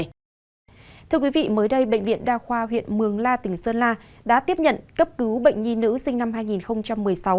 thưa quý vị mới đây bệnh viện đa khoa huyện mường la tỉnh sơn la đã tiếp nhận cấp cứu bệnh nhi nữ sinh năm hai nghìn một mươi sáu